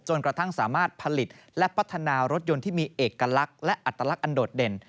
กระทั่งสามารถผลิตและพัฒนารถยนต์ที่มีเอกลักษณ์และอัตลักษณ์อันโดดเด่น